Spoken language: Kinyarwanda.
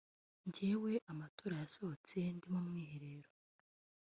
njyewe amanota yasohotse ndi mu mwiherero